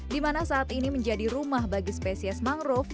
dimana saat ini menjadi rumah bagi spesies mangrove